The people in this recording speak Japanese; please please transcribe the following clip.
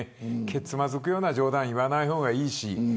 けつまづくような冗談を言わない方がいいし。